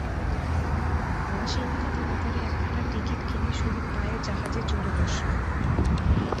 আলাসিঙ্গা তাড়াতাড়ি একখানা টিকিট কিনে শুধু পায়ে জাহাজে চড়ে বসল।